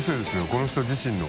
この人自身の。